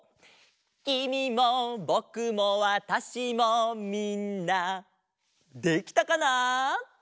「きみもぼくもわたしもみんな」できたかな？